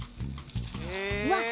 うわっ！